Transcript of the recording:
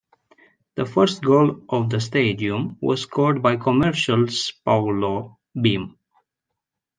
The first goal of the stadium was scored by Comercial's Paulo Bim.